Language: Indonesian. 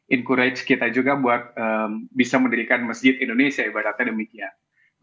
encourage kita juga buat bisa mendirikan masjid indonesia ibaratnya demikian